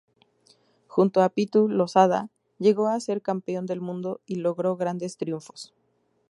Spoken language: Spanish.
Junto a Pitu Losada llegó a ser campeón del mundo y logró grandes triunfos.